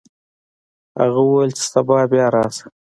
هغه وویل چې سبا بیا راشه.